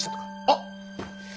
あっ。